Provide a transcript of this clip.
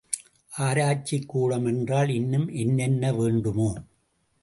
ஆராய்ச்சிக்கூடம் என்றால் இன்னும் என்னென்ன வேண்டுமோ?